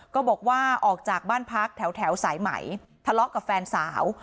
ก็บอกว่าออกจากบ้านพักแถวสายไหมทะเลาะกับแฟนสาว